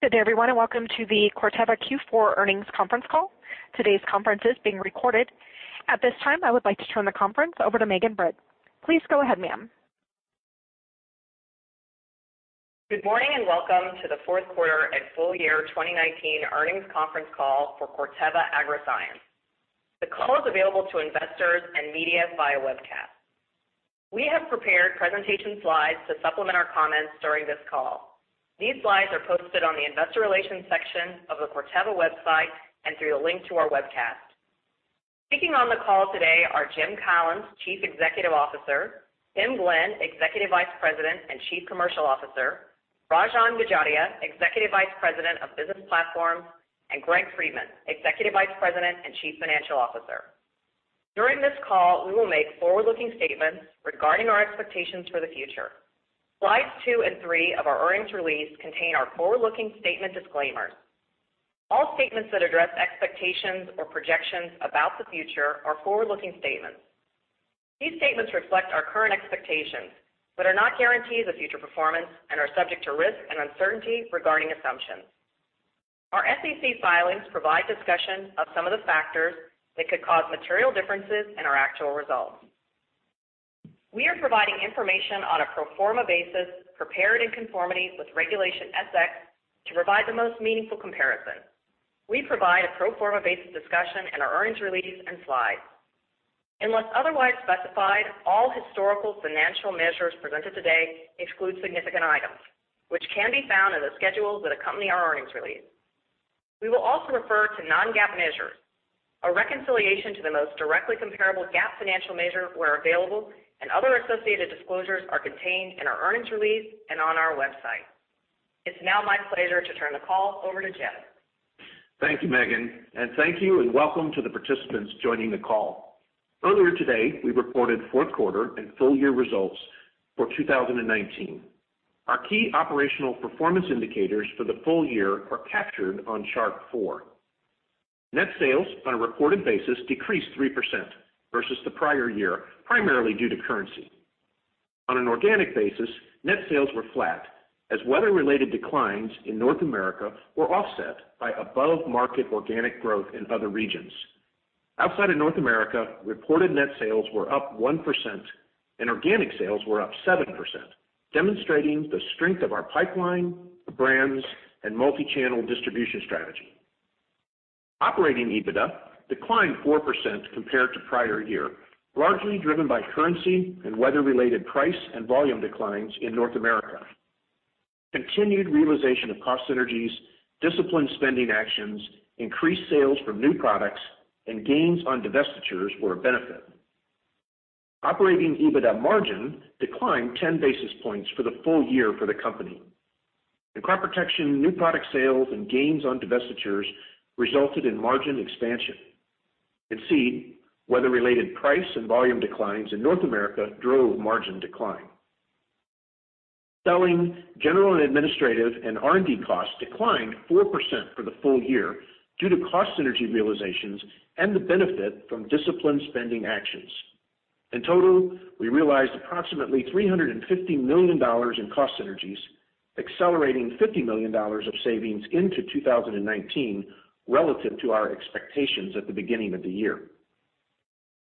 Good day everyone, welcome to the Corteva Q4 Earnings Conference Call. Today's conference is being recorded. At this time, I would like to turn the conference over to Megan Britt. Please go ahead, ma'am. Good morning, and welcome to the Fourth Quarter and Full-Year 2019 Earnings Conference Call for Corteva Agriscience. The call is available to investors and media via webcast. We have prepared presentation slides to supplement our comments during this call. These slides are posted on the investor relations section of the Corteva website and through the link to our webcast. Speaking on the call today are Jim Collins, Chief Executive Officer, Tim Glenn, Executive Vice President and Chief Commercial Officer, Rajan Gajaria, Executive Vice President of Business Platforms, and Greg Friedman, Executive Vice President and Chief Financial Officer. During this call, we will make forward-looking statements regarding our expectations for the future. Slides two and three of our earnings release contain our forward-looking statement disclaimers. All statements that address expectations or projections about the future are forward-looking statements. These statements reflect our current expectations but are not guarantees of future performance and are subject to risk and uncertainty regarding assumptions. Our SEC filings provide discussion of some of the factors that could cause material differences in our actual results. We are providing information on a pro forma basis, prepared in conformity with Regulation S-X to provide the most meaningful comparison. We provide a pro forma-based discussion in our earnings release and slides. Unless otherwise specified, all historical financial measures presented today exclude significant items, which can be found in the schedules that accompany our earnings release. We will also refer to non-GAAP measures. A reconciliation to the most directly comparable GAAP financial measure where available and other associated disclosures are contained in our earnings release and on our website. It's now my pleasure to turn the call over to Jim. Thank you, Megan, and thank you and welcome to the participants joining the call. Earlier today, we reported fourth quarter and full-year results for 2019. Our key operational performance indicators for the full-year are captured on chart four. Net sales on a reported basis decreased 3% versus the prior year, primarily due to currency. On an organic basis, net sales were flat as weather-related declines in North America were offset by above-market organic growth in other regions. Outside of North America, reported net sales were up 1% and organic sales were up 7%, demonstrating the strength of our pipeline, brands, and multi-channel distribution strategy. Operating EBITDA declined 4% compared to prior year, largely driven by currency and weather-related price and volume declines in North America. Continued realization of cost synergies, disciplined spending actions, increased sales from new products, and gains on divestitures were a benefit. Operating EBITDA margin declined 10 basis points for the full-year for the company. In crop protection, new product sales and gains on divestitures resulted in margin expansion. In seed, weather-related price and volume declines in North America drove margin decline. Selling, general and administrative, and R&D costs declined 4% for the full-year due to cost synergy realizations and the benefit from disciplined spending actions. In total, we realized approximately $350 million in cost synergies, accelerating $50 million of savings into 2019 relative to our expectations at the beginning of the year.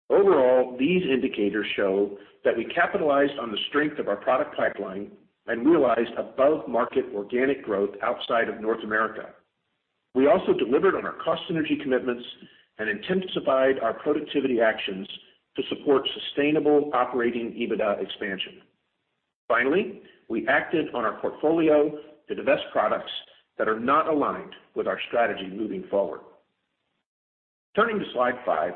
Overall, these indicators show that we capitalized on the strength of our product pipeline and realized above-market organic growth outside of North America. We also delivered on our cost synergy commitments and intensified our productivity actions to support sustainable operating EBITDA expansion. We acted on our portfolio to divest products that are not aligned with our strategy moving forward. Turning to slide five.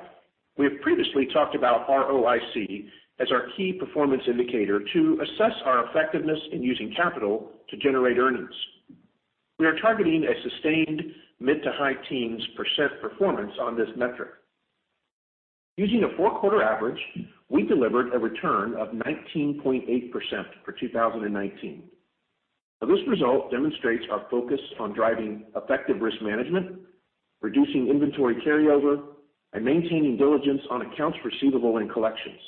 We have previously talked about ROIC as our key performance indicator to assess our effectiveness in using capital to generate earnings. We are targeting a sustained mid to high teens % performance on this metric. Using a four-quarter average, we delivered a return of 19.8% for 2019. This result demonstrates our focus on driving effective risk management, reducing inventory carryover, and maintaining diligence on accounts receivable and collections.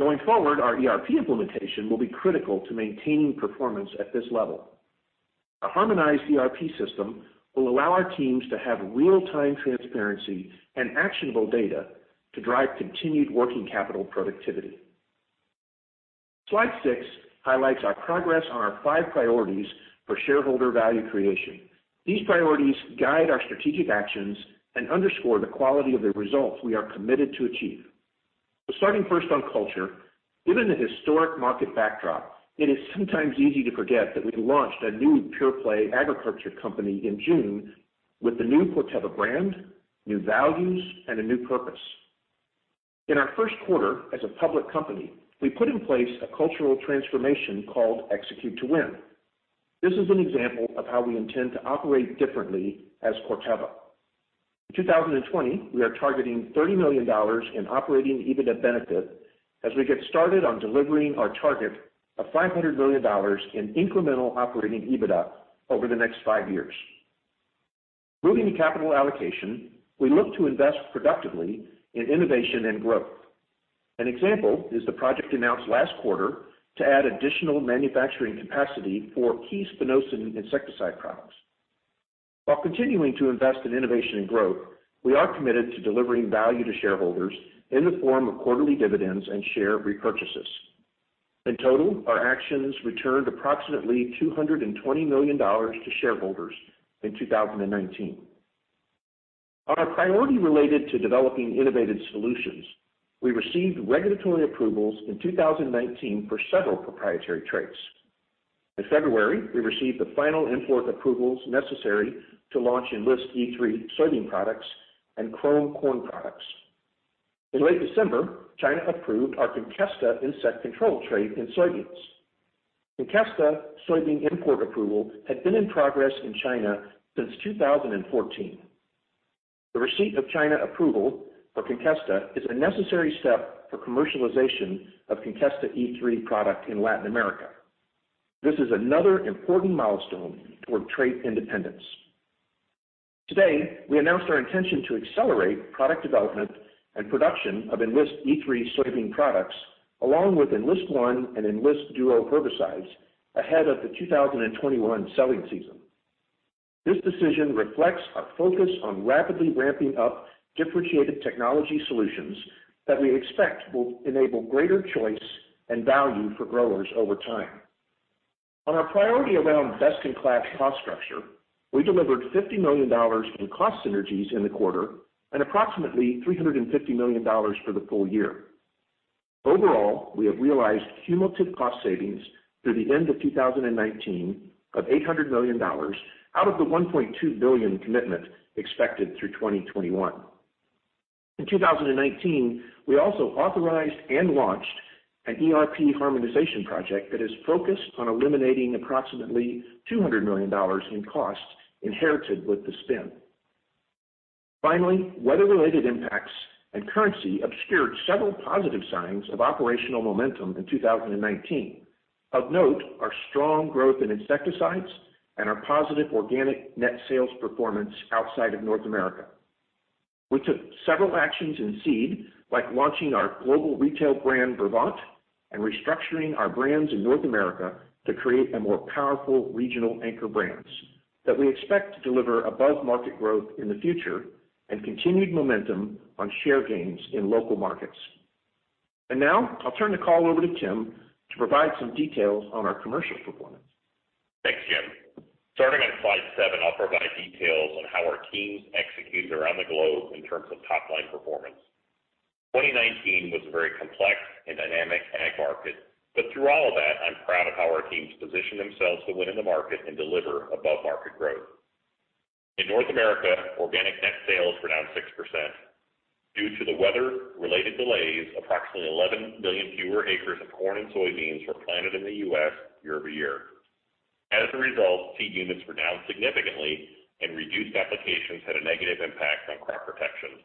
Going forward, our ERP implementation will be critical to maintaining performance at this level. A harmonized ERP system will allow our teams to have real-time transparency and actionable data to drive continued working capital productivity. Slide six highlights our progress on our five priorities for shareholder value creation. These priorities guide our strategic actions and underscore the quality of the results we are committed to achieve. Starting first on culture, given the historic market backdrop, it is sometimes easy to forget that we launched a new pure play agriculture company in June with the new Corteva brand, new values, and a new purpose. In our first quarter as a public company, we put in place a cultural transformation called Execute to Win. This is an example of how we intend to operate differently as Corteva. In 2020, we are targeting $30 million in operating EBITDA benefit as we get started on delivering our target of $500 million in incremental operating EBITDA over the next five years. Moving to capital allocation, we look to invest productively in innovation and growth. An example is the project announced last quarter to add additional manufacturing capacity for key spinosyn insecticide products. While continuing to invest in innovation and growth, we are committed to delivering value to shareholders in the form of quarterly dividends and share repurchases. In total, our actions returned approximately $220 million to shareholders in 2019. On our priority related to developing innovative solutions, we received regulatory approvals in 2019 for several proprietary traits. In February, we received the final import approvals necessary to launch Enlist E3 soybean products and Qrome corn products. In late December, China approved our Conkesta insect control trait in soybeans. Conkesta soybean import approval had been in progress in China since 2014. The receipt of China approval for Conkesta is a necessary step for commercialization of Conkesta E3 product in Latin America. This is another important milestone toward trait independence. Today, we announced our intention to accelerate product development and production of Enlist E3 soybean products, along with Enlist One and Enlist Duo herbicides ahead of the 2021 selling season. This decision reflects our focus on rapidly ramping up differentiated technology solutions that we expect will enable greater choice and value for growers over time. On our priority around best-in-class cost structure, we delivered $50 million in cost synergies in the quarter and approximately $350 million for the full-year. Overall, we have realized cumulative cost savings through the end of 2019 of $800 million out of the $1.2 billion commitment expected through 2021. In 2019, we also authorized and launched an ERP harmonization project that is focused on eliminating approximately $200 million in costs inherited with the spin. Finally, weather-related impacts and currency obscured several positive signs of operational momentum in 2019. Of note, our strong growth in insecticides and our positive organic net sales performance outside of North America. We took several actions in seed, like launching our global retail brand, Brevant, and restructuring our brands in North America to create a more powerful regional anchor brands that we expect to deliver above market growth in the future and continued momentum on share gains in local markets. Now I'll turn the call over to Tim to provide some details on our commercial performance. Thanks, Jim. Starting on slide seven, I'll provide details on how our teams executed around the globe in terms of top-line performance. 2019 was a very complex and dynamic ag market, but through all of that, I'm proud of how our teams positioned themselves to win in the market and deliver above-market growth. In North America, organic net sales were down 6%. Due to the weather-related delays, approximately 11 million fewer acres of corn and soybeans were planted in the U.S. year-over-year. As a result, seed units were down significantly and reduced applications had a negative impact on crop protection.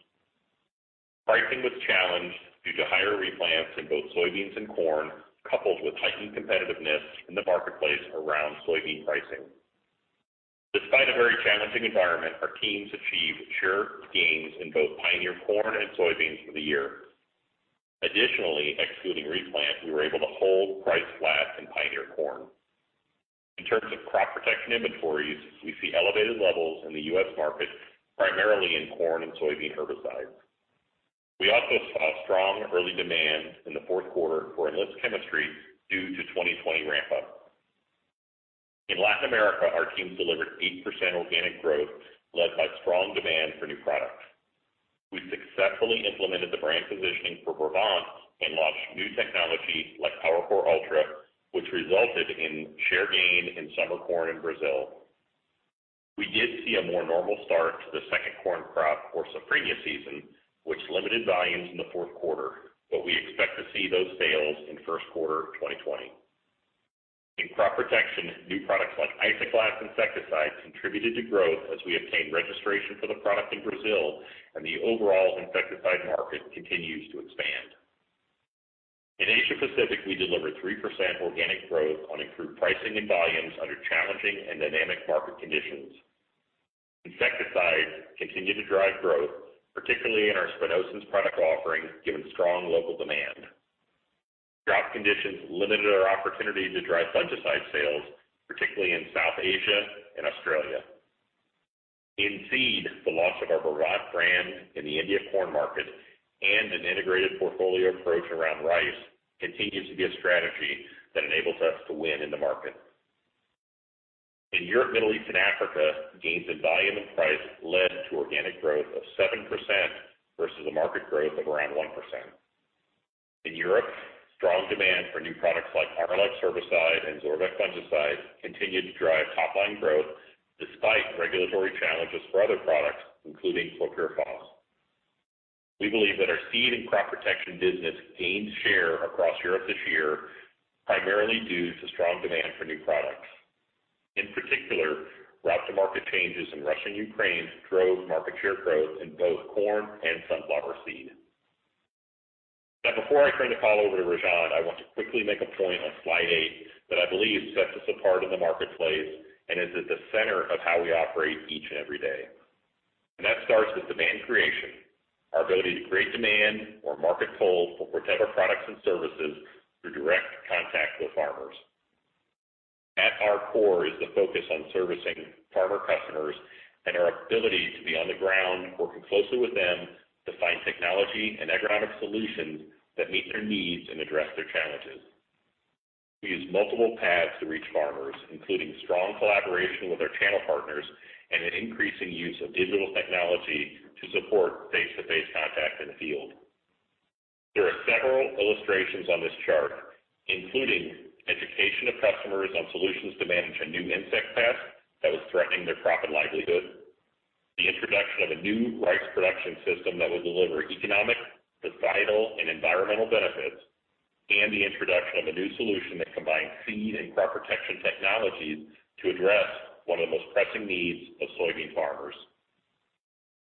Pricing was challenged due to higher replants in both soybeans and corn, coupled with heightened competitiveness in the marketplace around soybean pricing. Despite a very challenging environment, our teams achieved share gains in both Pioneer corn and soybeans for the year. Additionally, excluding replant, we were able to hold price flat in Pioneer corn. In terms of crop protection inventories, we see elevated levels in the U.S. market, primarily in corn and soybean herbicides. We also saw strong early demand in the fourth quarter for Enlist chemistry due to 2020 ramp-up. In Latin America, our teams delivered 8% organic growth, led by strong demand for new products. We successfully implemented the brand positioning for Brevant and launched new technology like PowerCore Ultra, which resulted in share gain in summer corn in Brazil. We did see a more normal start to the second corn crop for Safrinha season, which limited volumes in the fourth quarter. We expect to see those sales in first quarter of 2020. In crop protection, new products like Isoclast insecticide contributed to growth as we obtained registration for the product in Brazil and the overall insecticide market continues to expand. In Asia Pacific, we delivered 3% organic growth on improved pricing and volumes under challenging and dynamic market conditions. Insecticides continued to drive growth, particularly in our spinosyns product offerings, given strong local demand. Drought conditions limited our opportunity to drive fungicide sales, particularly in South Asia and Australia. In seed, the launch of our Brevant brand in the India corn market and an integrated portfolio approach around rice continues to be a strategy that enables us to win in the market. In Europe, Middle East, and Africa, gains in volume and price led to organic growth of 7% versus a market growth of around 1%. In Europe, strong demand for new products like PowerFlex herbicide and Zorvec fungicide continued to drive top-line growth despite regulatory challenges for other products, including florpyrauxifen. We believe that our seed and crop protection business gained share across Europe this year, primarily due to strong demand for new products. In particular, route-to-market changes in Russia and Ukraine drove market share growth in both corn and sunflower seed. Before I turn the call over to Rajan, I want to quickly make a point on slide eight that I believe sets us apart in the marketplace and is at the center of how we operate each and every day. That starts with demand creation, our ability to create demand or market pull for Corteva products and services through direct contact with farmers. At our core is the focus on servicing farmer customers and our ability to be on the ground working closely with them to find technology and agronomic solutions that meet their needs and address their challenges. We use multiple paths to reach farmers, including strong collaboration with our channel partners and an increasing use of digital technology to support face-to-face contact in the field. There are several illustrations on this chart, including education of customers on solutions to manage a new insect pest that was threatening their crop and livelihood, the introduction of a new rice production system that will deliver economic, societal, and environmental benefits, and the introduction of a new solution that combines seed and crop protection technologies to address one of the most pressing needs of soybean farmers.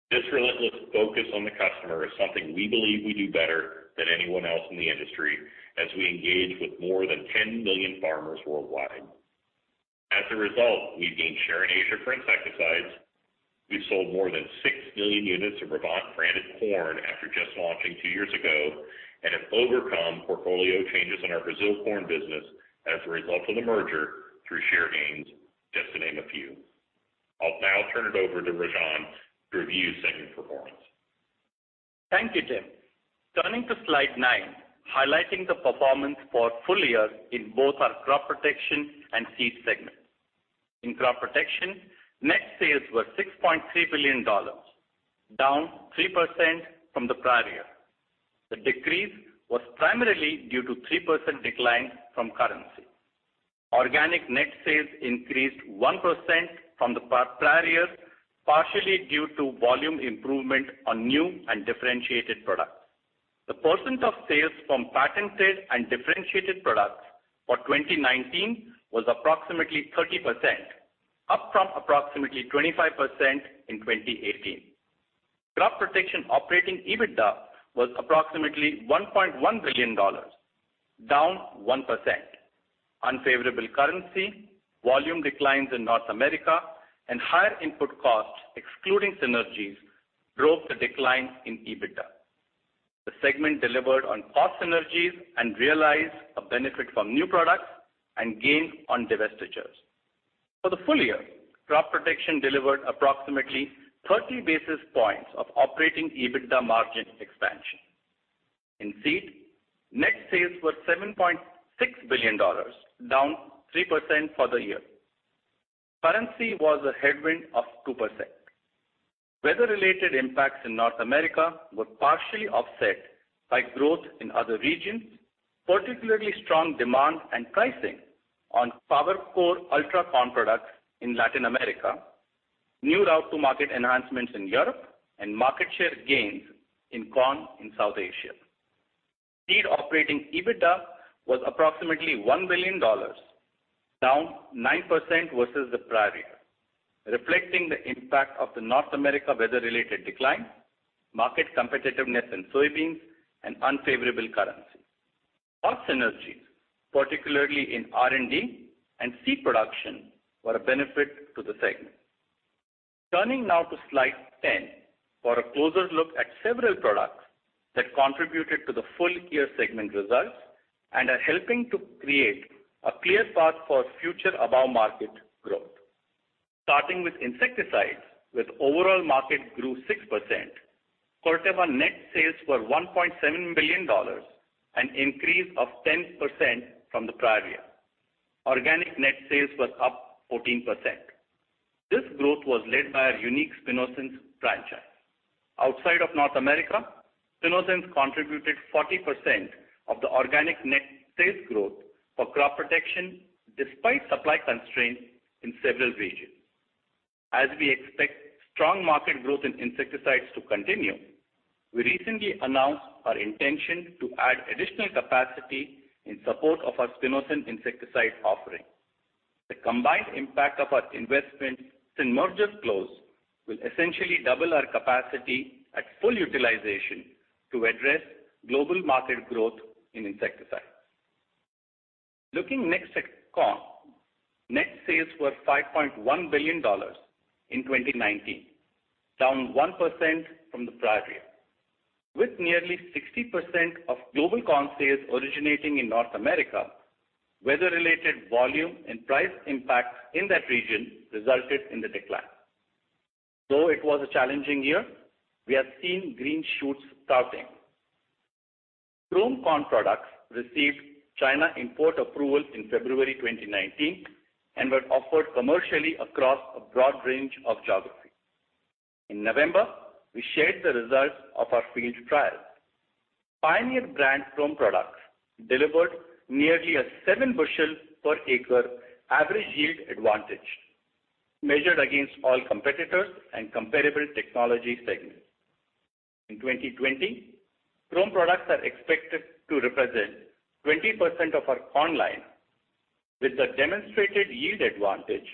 This relentless focus on the customer is something we believe we do better than anyone else in the industry as we engage with more than 10 million farmers worldwide. As a result, we've gained share in Asia for insecticides, we've sold more than six million units of Brevant-branded corn after just launching two years ago, and have overcome portfolio changes in our Brazil corn business as a result of the merger through share gains, just to name a few. I'll now turn it over to Rajan to review segment performance. Thank you, Jim. Turning to slide nine, highlighting the performance for full-year in both our crop protection and seed segments. In crop protection, net sales were $6.3 billion, down 3% from the prior year. The decrease was primarily due to 3% decline from currency. Organic net sales increased 1% from the prior year, partially due to volume improvement on new and differentiated products. The percent of sales from patented and differentiated products for 2019 was approximately 30%, up from approximately 25% in 2018. Crop protection operating EBITDA was approximately $1.1 billion, down 1%. Unfavorable currency, volume declines in North America, and higher input costs, excluding synergies, drove the decline in EBITDA. The segment delivered on cost synergies and realized a benefit from new products and gains on divestitures. For the full-year, crop protection delivered approximately 30 basis points of operating EBITDA margin expansion. In seed, net sales were $7.6 billion, down 3% for the year. Currency was a headwind of 2%. Weather-related impacts in North America were partially offset by growth in other regions, particularly strong demand and pricing on PowerCore Ultra corn products in Latin America, new go-to-market enhancements in Europe, and market share gains in corn in South Asia. Seed operating EBITDA was approximately $1 billion, down 9% versus the prior year, reflecting the impact of the North America weather-related decline, market competitiveness in soybeans, and unfavorable currency. Cost synergies, particularly in R&D and seed production, were a benefit to the segment. Turning now to slide 10 for a closer look at several products that contributed to the full-year segment results and are helping to create a clear path for future above-market growth. Starting with insecticides, with overall market grew 6%, Corteva net sales were $1.7 billion, an increase of 10% from the prior year. Organic net sales were up 14%. This growth was led by our unique spinosyns franchise. Outside of North America, spinosyns contributed 40% of the organic net sales growth for crop protection despite supply constraints in several regions. As we expect strong market growth in insecticides to continue, we recently announced our intention to add additional capacity in support of our spinosyn insecticide offering. The combined impact of our investment since merger close will essentially double our capacity at full utilization to address global market growth in insecticides. Looking next at corn. Net sales were $5.1 billion in 2019, down 1% from the prior year. With nearly 60% of global corn sales originating in North America, weather-related volume and price impacts in that region resulted in the decline. Though it was a challenging year, we are seeing green shoots starting. Qrome corn products received China import approval in February 2019 and were offered commercially across a broad range of geographies. In November, we shared the results of our field trials. Pioneer brand Qrome products delivered nearly a seven-bushel-per-acre average yield advantage, measured against all competitors and comparable technology segments. In 2020, Qrome products are expected to represent 20% of our corn line. With the demonstrated yield advantage,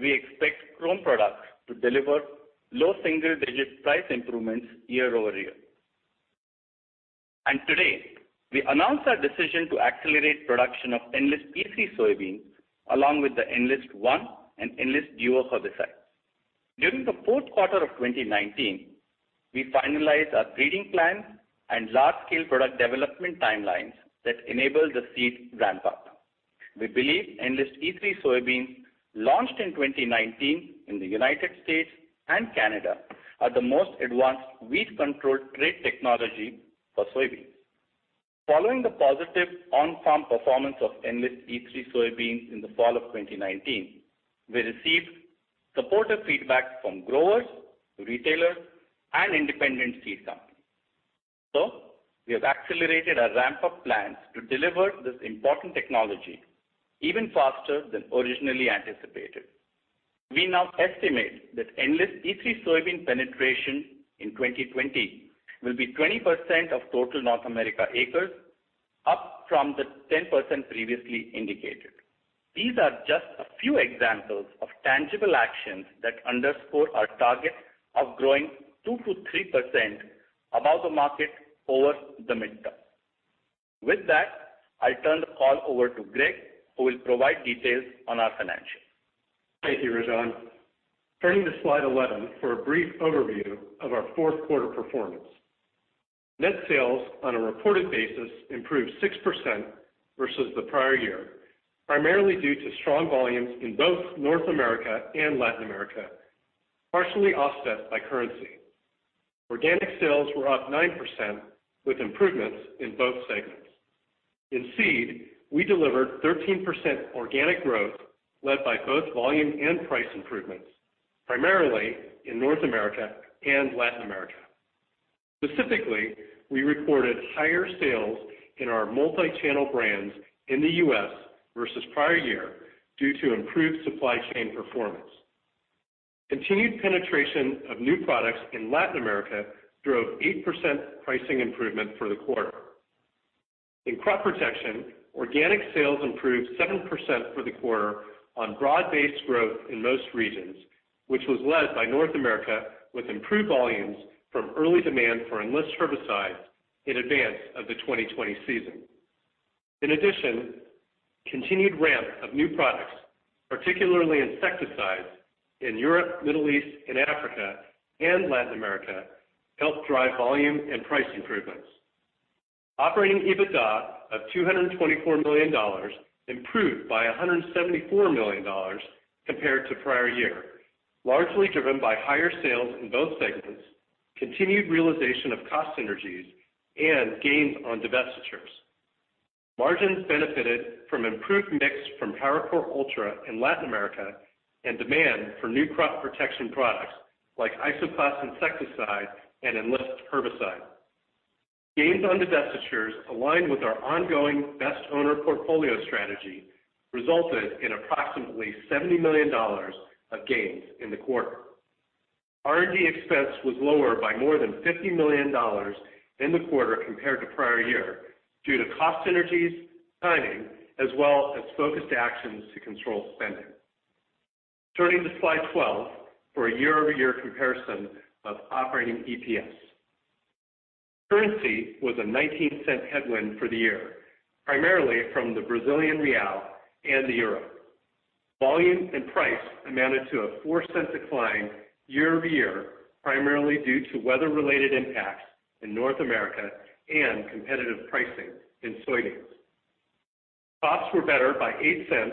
we expect Qrome products to deliver low single-digit price improvements year over year. Today, we announce our decision to accelerate production of Enlist E3 soybeans, along with the Enlist One and Enlist Duo herbicides. During the fourth quarter of 2019, we finalized our breeding plan and large-scale product development timelines that enable the seed ramp-up. We believe Enlist E3 soybeans, launched in 2019 in the United States and Canada, are the most advanced weed control trait technology for soybeans. Following the positive on-farm performance of Enlist E3 soybeans in the fall of 2019, we received supportive feedback from growers, retailers, and independent seed companies. We have accelerated our ramp-up plans to deliver this important technology even faster than originally anticipated. We now estimate that Enlist E3 soybean penetration in 2020 will be 20% of total North America acres, up from the 10% previously indicated. These are just a few examples of tangible actions that underscore our target of growing 2%-3% above the market over the midterm. With that, I turn the call over to Greg, who will provide details on our financials. Thank you, Rajan. Turning to slide 11 for a brief overview of our fourth quarter performance. Net sales on a reported basis improved 6% versus the prior year, primarily due to strong volumes in both North America and Latin America, partially offset by currency. Organic sales were up 9% with improvements in both segments. In seed, we delivered 13% organic growth led by both volume and price improvements, primarily in North America and Latin America. Specifically, we reported higher sales in our multi-channel brands in the U.S. versus prior year due to improved supply chain performance. Continued penetration of new products in Latin America drove 8% pricing improvement for the quarter. In crop protection, organic sales improved 7% for the quarter on broad-based growth in most regions, which was led by North America with improved volumes from early demand for Enlist herbicides in advance of the 2020 season. In addition, continued ramp of new products, particularly insecticides in Europe, Middle East, and Africa, and Latin America, helped drive volume and price improvements. operating EBITDA of $224 million improved by $174 million compared to prior year, largely driven by higher sales in both segments, continued realization of cost synergies, and gains on divestitures. Margins benefited from improved mix from PowerCore Ultra in Latin America and demand for new crop protection products like Isoclast insecticide and Enlist herbicide. Gains on divestitures aligned with our ongoing best owner portfolio strategy resulted in approximately $70 million of gains in the quarter. R&D expense was lower by more than $50 million in the quarter compared to prior year due to cost synergies, timing, as well as focused actions to control spending. Turning to slide 12 for a year-over-year comparison of operating EPS. Currency was a $0.19 headwind for the year, primarily from the BRL and the EUR. Volume and price amounted to a $0.04 decline year-over-year, primarily due to weather-related impacts in North America and competitive pricing in soybeans. Costs were better by $0.08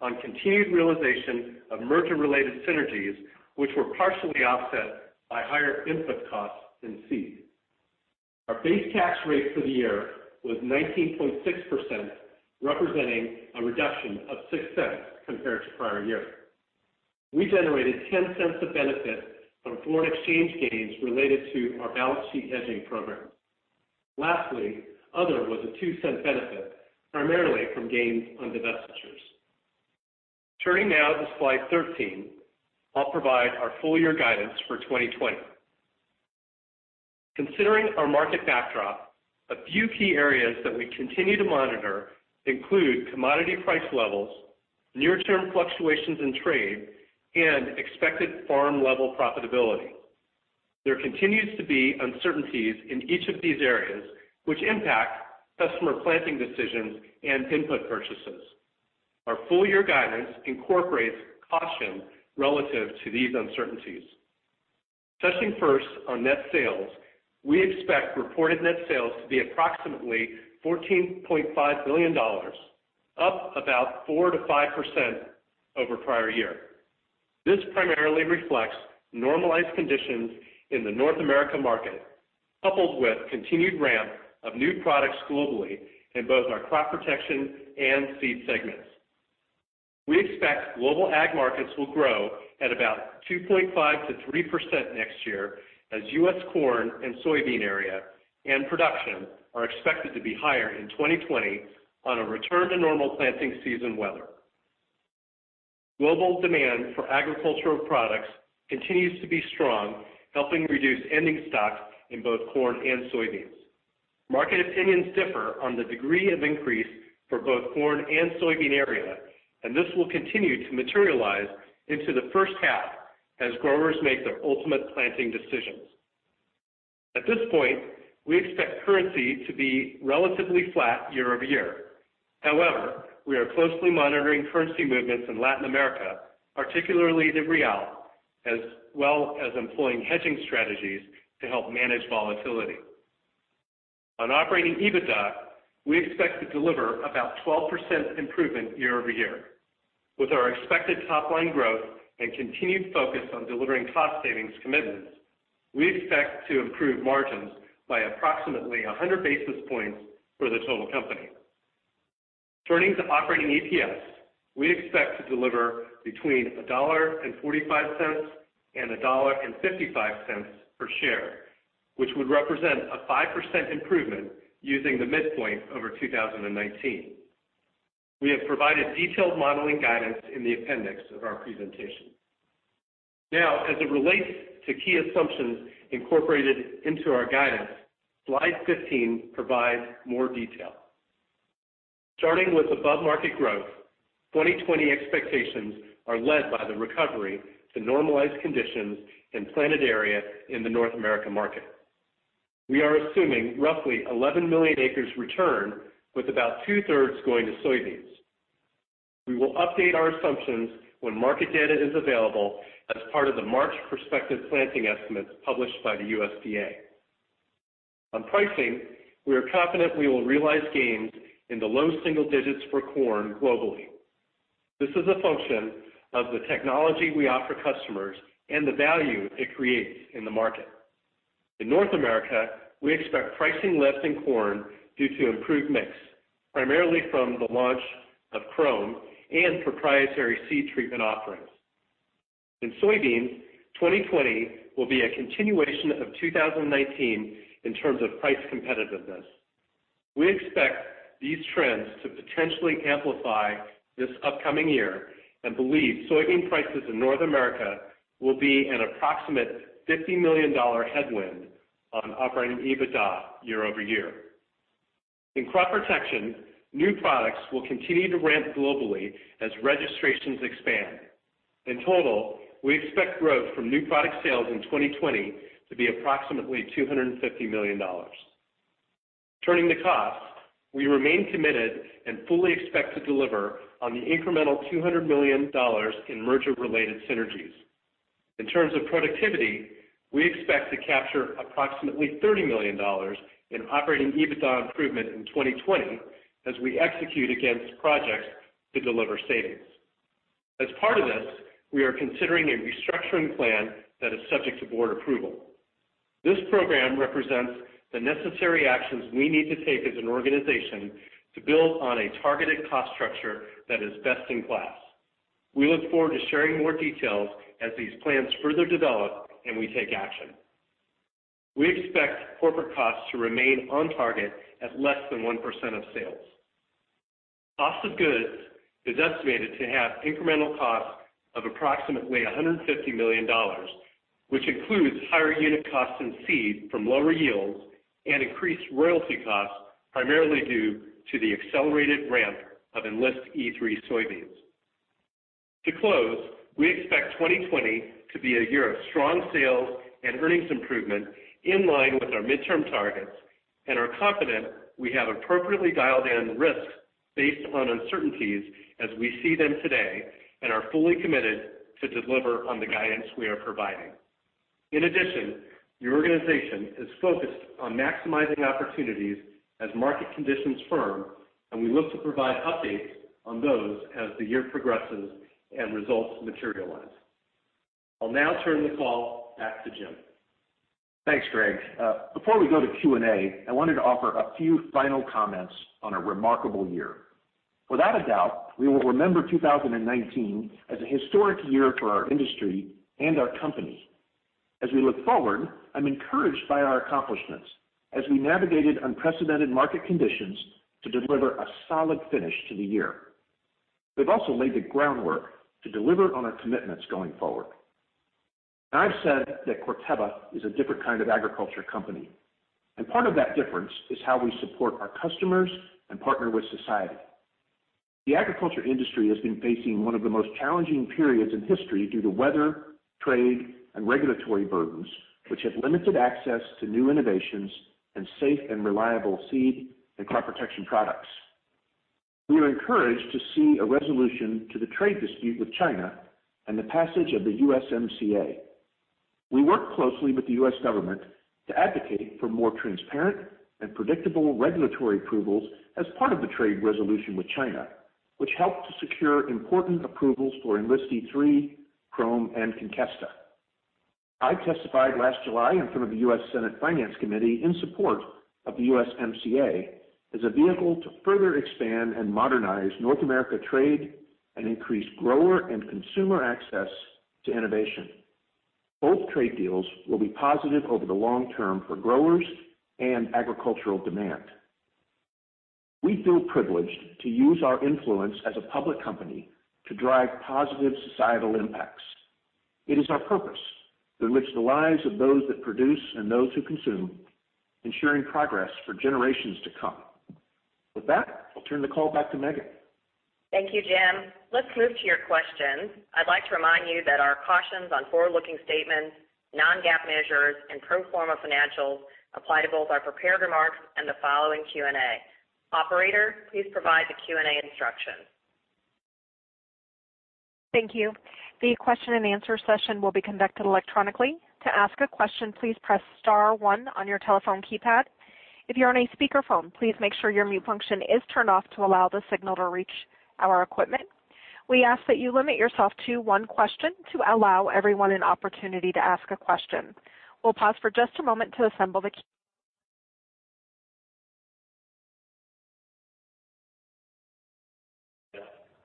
on continued realization of merger-related synergies, which were partially offset by higher input costs in seed. Our base tax rate for the year was 19.6%, representing a reduction of $0.06 compared to prior year. We generated $0.10 of benefit from foreign exchange gains related to our balance sheet hedging program. Lastly, other was a $0.02 benefit, primarily from gains on divestitures. Turning now to slide 13, I'll provide our full-year guidance for 2020. Considering our market backdrop, a few key areas that we continue to monitor include commodity price levels, near-term fluctuations in trade, and expected farm-level profitability. There continues to be uncertainties in each of these areas, which impact customer planting decisions and input purchases. Our full-year guidance incorporates caution relative to these uncertainties. Touching first on net sales, we expect reported net sales to be approximately $14.5 billion, up about 4%-5% over prior year. This primarily reflects normalized conditions in the North America market, coupled with continued ramp of new products globally in both our crop protection and seed segments. We expect global ag markets will grow at about 2.5%-3% next year as U.S. corn and soybean area and production are expected to be higher in 2020 on a return to normal planting season weather. Global demand for agricultural products continues to be strong, helping reduce ending stocks in both corn and soybeans. Market opinions differ on the degree of increase for both corn and soybean area, and this will continue to materialize into the first half as growers make their ultimate planting decisions. At this point, we expect currency to be relatively flat year-over-year. However, we are closely monitoring currency movements in Latin America, particularly the real, as well as employing hedging strategies to help manage volatility. On operating EBITDA, we expect to deliver about 12% improvement year-over-year. With our expected top-line growth and continued focus on delivering cost savings commitments, we expect to improve margins by approximately 100 basis points for the total company. Turning to operating EPS, we expect to deliver between $1.45 and $1.55 per share, which would represent a 5% improvement using the midpoint over 2019. We have provided detailed modeling guidance in the appendix of our presentation. As it relates to key assumptions incorporated into our guidance, slide 15 provides more detail. Starting with above-market growth, 2020 expectations are led by the recovery to normalized conditions and planted area in the North America market. We are assuming roughly 11 million acres return with about two-thirds going to soybeans. We will update our assumptions when market data is available as part of the March prospective planting estimates published by the USDA. On pricing, we are confident we will realize gains in the low single digits for corn globally. This is a function of the technology we offer customers and the value it creates in the market. In North America, we expect pricing less in corn due to improved mix, primarily from the launch of Qrome and proprietary seed treatment offerings. In soybeans, 2020 will be a continuation of 2019 in terms of price competitiveness. We expect these trends to potentially amplify this upcoming year and believe soybean prices in North America will be an approximate $50 million headwind on operating EBITDA year-over-year. In crop protection, new products will continue to ramp globally as registrations expand. In total, we expect growth from new product sales in 2020 to be approximately $250 million. Turning to costs, we remain committed and fully expect to deliver on the incremental $200 million in merger-related synergies. In terms of productivity, we expect to capture approximately $30 million in operating EBITDA improvement in 2020 as we execute against projects to deliver savings. As part of this, we are considering a restructuring plan that is subject to board approval. This program represents the necessary actions we need to take as an organization to build on a targeted cost structure that is best in class. We look forward to sharing more details as these plans further develop and we take action. We expect corporate costs to remain on target at less than 1% of sales. Cost of goods is estimated to have incremental costs of approximately $150 million, which includes higher unit costs in seed from lower yields and increased royalty costs, primarily due to the accelerated ramp of Enlist E3 soybeans. To close, we expect 2020 to be a year of strong sales and earnings improvement in line with our midterm targets and are confident we have appropriately dialed in risks based upon uncertainties as we see them today and are fully committed to deliver on the guidance we are providing. In addition, the organization is focused on maximizing opportunities as market conditions firm, and we look to provide updates on those as the year progresses and results materialize. I'll now turn the call back to Jim. Thanks, Greg. Before we go to Q&A, I wanted to offer a few final comments on a remarkable year. Without a doubt, we will remember 2019 as a historic year for our industry and our company. As we look forward, I'm encouraged by our accomplishments as we navigated unprecedented market conditions to deliver a solid finish to the year. We've also laid the groundwork to deliver on our commitments going forward. I've said that Corteva is a different kind of agriculture company, and part of that difference is how we support our customers and partner with society. The agriculture industry has been facing one of the most challenging periods in history due to weather, trade, and regulatory burdens, which have limited access to new innovations and safe and reliable seed and crop protection products. We are encouraged to see a resolution to the trade dispute with China and the passage of the USMCA. We work closely with the U.S. government to advocate for more transparent and predictable regulatory approvals as part of the trade resolution with China, which helped to secure important approvals for Enlist E3, Qrome, and Conkesta. I testified last July in front of the U.S. Senate Committee on Finance in support of the USMCA as a vehicle to further expand and modernize North America trade and increase grower and consumer access to innovation. Both trade deals will be positive over the long term for growers and agricultural demand. We feel privileged to use our influence as a public company to drive positive societal impacts. It is our purpose to enrich the lives of those that produce and those who consume, ensuring progress for generations to come. With that, I'll turn the call back to Megan. Thank you, Jim. Let's move to your questions. I'd like to remind you that our cautions on forward-looking statements, non-GAAP measures, and pro forma financials apply to both our prepared remarks and the following Q&A. Operator, please provide the Q&A instructions. Thank you. The question-and-answer session will be conducted electronically. To ask a question, please press star one on your telephone keypad. If you're on a speakerphone, please make sure your mute function is turned off to allow the signal to reach our equipment. We ask that you limit yourself to one question to allow everyone an opportunity to ask a question. We'll pause for just a moment to assemble the.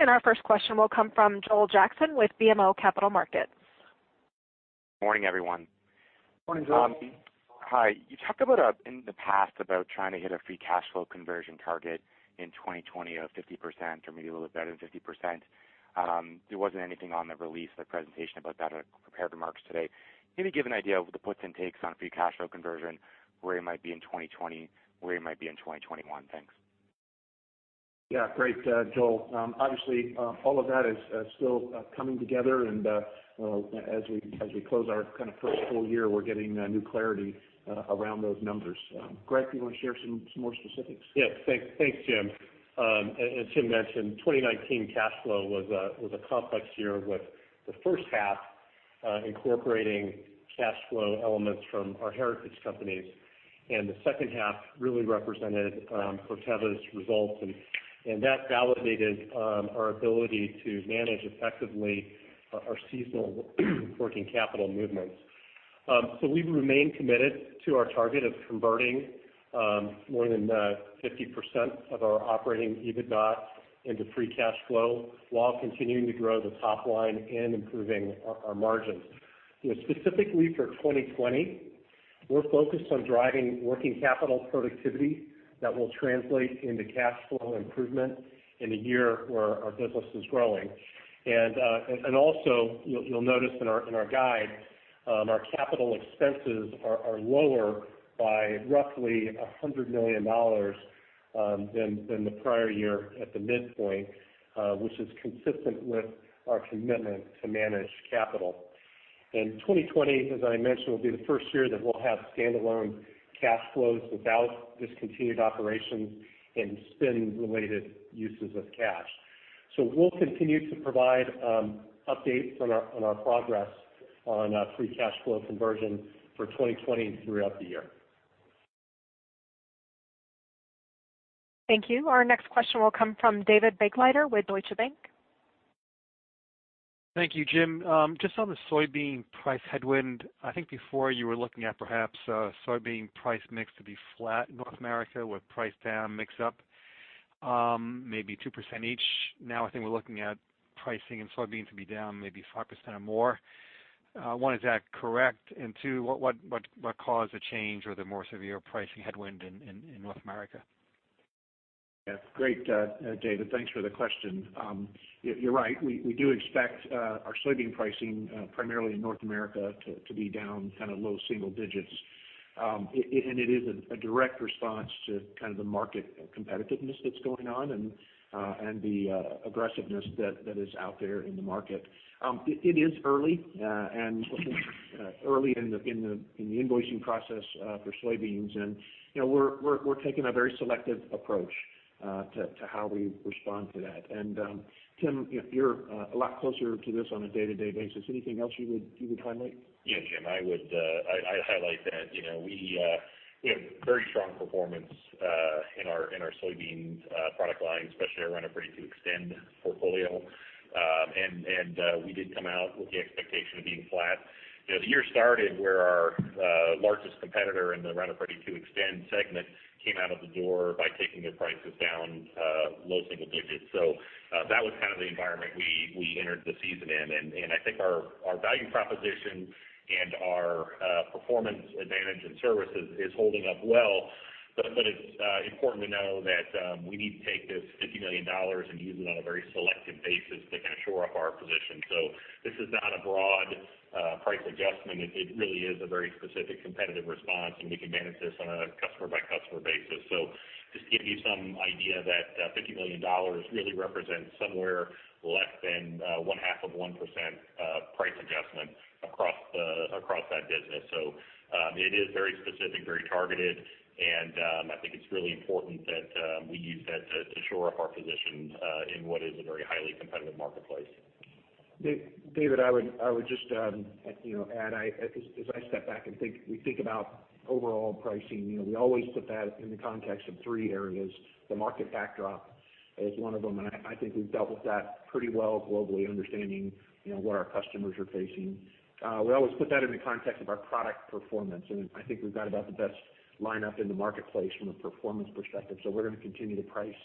Our first question will come from Joel Jackson with BMO Capital Markets. Morning, everyone. Morning, Joel. Hi. You talked about in the past about trying to hit a free cash flow conversion target in 2020 of 50%, or maybe a little better than 50%. There wasn't anything on the release, the presentation about that or prepared remarks today. Can you give an idea of the puts and takes on a free cash flow conversion, where you might be in 2020, where you might be in 2021? Thanks. Yeah. Great, Joel. Obviously, all of that is still coming together and as we close our first full-year, we're getting new clarity around those numbers. Greg, do you want to share some more specifics? Thanks, Jim. As Tim mentioned, 2019 cash flow was a complex year with the first half incorporating cash flow elements from our heritage companies, and the second half really represented Corteva's results and that validated our ability to manage effectively our seasonal working capital movements. We remain committed to our target of converting more than 50% of our operating EBITDA into free cash flow while continuing to grow the top line and improving our margins. Specifically for 2020, we're focused on driving working capital productivity that will translate into cash flow improvement in a year where our business is growing. Also, you'll notice in our guide, our capital expenses are lower by roughly $100 million than the prior year at the midpoint, which is consistent with our commitment to manage capital. 2020, as I mentioned, will be the first year that we'll have standalone cash flows without discontinued operations and spin-related uses of cash. We'll continue to provide updates on our progress on free cash flow conversion for 2020 and throughout the year. Thank you. Our next question will come from David Begleiter with Deutsche Bank. Thank you, Jim. Just on the soybean price headwind, I think before you were looking at perhaps soybean price mix to be flat North America with price down, mix up maybe 2% each. I think we're looking at pricing in soybeans to be down maybe 5% or more. Is that correct? What caused the change or the more severe pricing headwind in North America? Yeah. Great, David. Thanks for the question. You're right. We do expect our soybean pricing, primarily in North America, to be down low single digits. It is a direct response to the market competitiveness that's going on and the aggressiveness that is out there in the market. It is early in the invoicing process for soybeans, and we're taking a very selective approach to how we respond to that. Tim, you're a lot closer to this on a day-to-day basis. Anything else you would highlight? Yeah, Jim, I highlight that we have very strong performance in our soybeans product line, especially our Roundup Ready 2 Xtend portfolio. We did come out with the expectation of being flat. The year started where our largest competitor in the Roundup Ready 2 Xtend segment came out of the door by taking their prices down low single digits. That was the environment we entered the season in, and I think our value proposition and our performance advantage in services is holding up well. It's important to know that we need to take this $50 million and use it on a very selective basis to shore up our position. This is not a broad price adjustment. It really is a very specific competitive response, and we can manage this on a customer-by-customer basis. Just to give you some idea that $50 million really represents somewhere less than one half of 1% price adjustment across that business. It is very specific, very targeted, and I think it's really important that we use that to shore up our position in what is a very highly competitive marketplace. David, I would just add, as I step back and we think about overall pricing, we always put that in the context of three areas. The market backdrop is one of them, and I think we've dealt with that pretty well globally, understanding what our customers are facing. We always put that in the context of our product performance, and I think we've got about the best lineup in the marketplace from a performance perspective. We're going to continue to price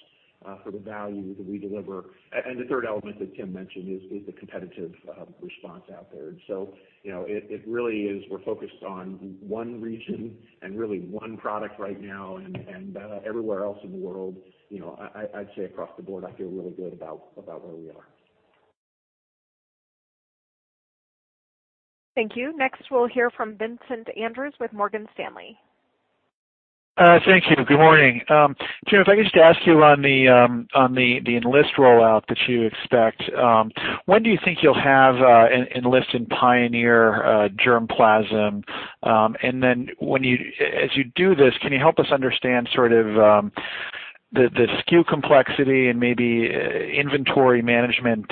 for the value that we deliver. The third element that Tim mentioned is the competitive response out there. It really is we're focused on one region and really one product right now and everywhere else in the world, I'd say across the board, I feel really good about where we are. Thank you. Next, we'll hear from Vincent Andrews with Morgan Stanley. Thank you. Good morning. Jim, if I could just ask you on the Enlist rollout that you expect, when do you think you'll have Enlist in Pioneer germplasm? As you do this, can you help us understand sort of the SKU complexity and maybe inventory management